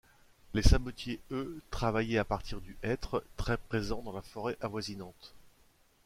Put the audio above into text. Les sabotiers, eux, travaillaient à partir du hêtre, très présent dans la forêt avoisinante.